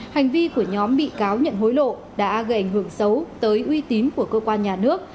hành vi của nhóm bị cáo nhận hối lộ đã gây ảnh hưởng xấu tới uy tín của cơ quan nhà nước